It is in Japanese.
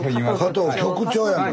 加藤局長やんか！